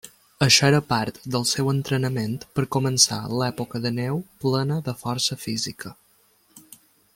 Això era part del seu entrenament per començar l’època de neu plena de força física.